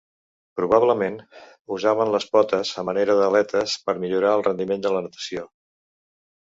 Probablement, usaven les potes a manera d'aletes per millorar el rendiment de la natació.